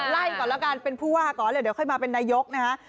ก่อนแล้วกันเป็นผู้ว่าก่อนเลยเดี๋ยวค่อยมาเป็นนายกนะฮะ